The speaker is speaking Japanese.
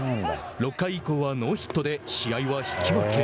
６回以降はノーヒットで試合は引き分け。